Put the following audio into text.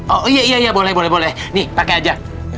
oh iya iya boleh boleh nih pakai aja